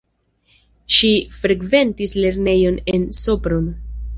Ŝi frekventis lernejon en Sopron.